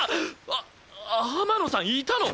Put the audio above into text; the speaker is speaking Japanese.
あ天野さんいたの！？